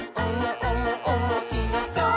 おもしろそう！」